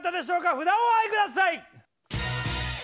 札をお上げ下さい！